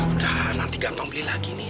udah nanti gampang beli lagi nih